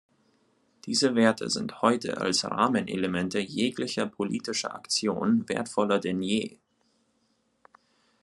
Diese Werte sind heute als Rahmenelemente jeglicher politischer Aktion wertvoller denn je.